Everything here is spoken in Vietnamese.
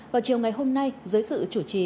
vào chiều ngày hôm nay dưới sự chủ trì